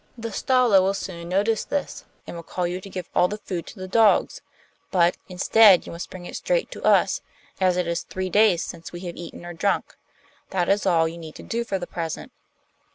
The Stalo will soon notice this, and will call you to give all the food to the dogs; but, instead, you must bring it straight to us, as it is three days since we have eaten or drunk. That is all you need do for the present.